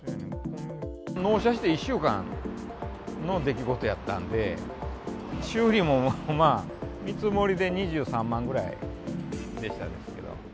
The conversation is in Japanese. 納車して１週間の出来事やったんで、修理もまあ、見積もりで２３万ぐらいでしたね。